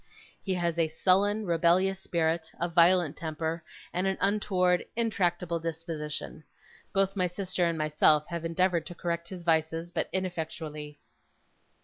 He has a sullen, rebellious spirit; a violent temper; and an untoward, intractable disposition. Both my sister and myself have endeavoured to correct his vices, but ineffectually.